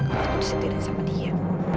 aku disetirin sama dia